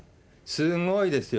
すごいですよ。